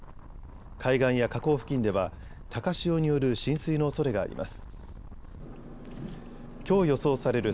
海岸や河口付近では高潮による浸水のおそれがあります。